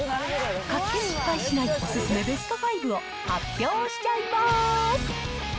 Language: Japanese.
買って失敗しないおすすめベスト５を発表しちゃいます。